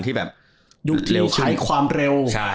ที่แบบเร็วใช้ความเร็ว